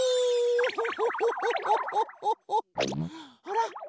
あら？